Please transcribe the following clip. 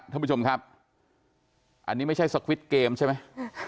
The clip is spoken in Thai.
ท่านผู้ชมครับอันนี้ไม่ใช่สควิดเกมใช่ไหม